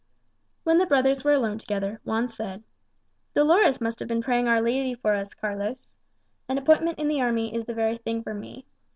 When the brothers were alone together, Juan said, "Dolores must have been praying Our Lady for us, Carlos. An appointment in the army is the very thing for me.